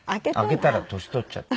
開けたら年取っちゃった。